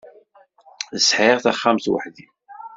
Sɛiɣ taxxamt weḥd-i.